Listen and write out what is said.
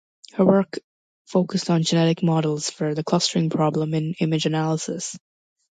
Her work focused on genetic models for the clustering problem in Image Analysis.